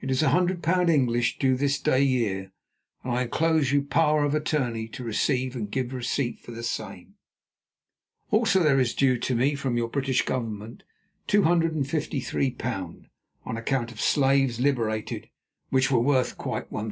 It is £100 English, due this day year, and I enclose you power of attorney to receive and give receipt for the same. Also there is due to me from your British Government £253 on account of slaves liberated which were worth quite £1,000.